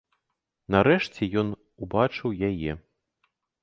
Нарэшце ён убачыў яе.